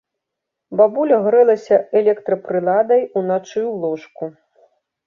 Бабуля грэлася электрапрыладай уначы ў ложку.